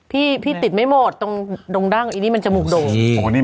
พี่พี่ติดไม่หมดตรงดงดั่งอีนี้มันจะหมุกโด่งสิโหนี่